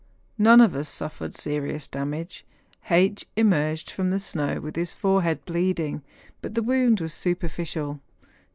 None of us suffered serious damage. H. emerged from the snow with his forehead bleeding; but the wound was superficial.